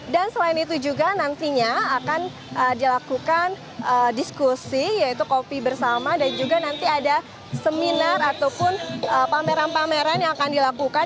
dan selain itu juga nantinya akan dilakukan diskusi yaitu kopi bersama dan juga nanti ada seminar ataupun pameran pameran yang akan dilakukan